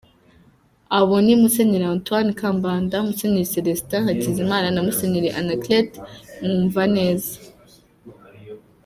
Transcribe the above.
Abo ni; Musenyeri Antoine Kambanda, Musenyeri Celestin Hakizimana na Musenyeri Anaclet Mwumvaneza.